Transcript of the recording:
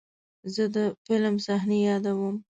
زه د فلم صحنې یادوم.